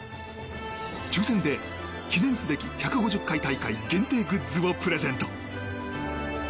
抽選で、記念すべき１５０回大会限定グッズをプレゼント。